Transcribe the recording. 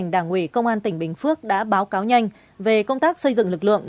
đảng ủy công an tỉnh bình phước đã báo cáo nhanh về công tác xây dựng lực lượng